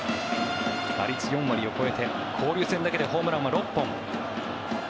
打率４割を超えて交流戦だけでホームランは６本。